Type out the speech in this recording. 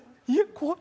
怖っ。